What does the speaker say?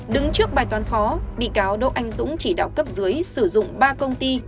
đứng trước bài toán khó bị cáo đỗ anh dũng chỉ đạo cấp dưới sử dụng ba công ty